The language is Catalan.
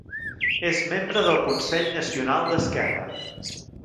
És membre del Consell Nacional d’Esquerra.